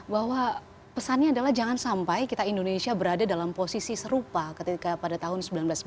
bahwa pesannya adalah jangan sampai kita indonesia berada dalam posisi serupa ketika pada tahun seribu sembilan ratus sembilan puluh